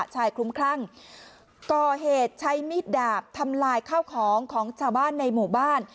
คลุ้มคลั่งก่อเหตุใช้มีดดาบทำลายข้าวของของชาวบ้านในหมู่บ้าน